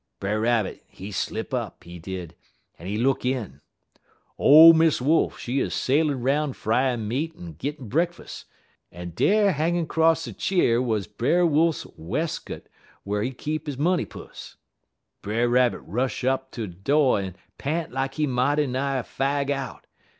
Brer Rabbit, he slip up, he did, en he look in. Ole Miss Wolf, she 'uz sailin' 'roun' fryin' meat en gittin' brekkus, en dar hangin' 'cross er cheer wuz Brer Wolf wes'cut where he keep he money pus. Brer Rabbit rush up ter do' en pant lak he mighty nigh fag out.